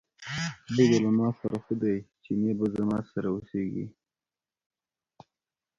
پرېږده له ماسره ښه دی، چينی به زما سره اوسېږي.